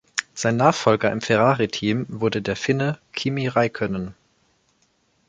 Sein Nachfolger im Ferrari-Team wurde der Finne Kimi Räikkönen.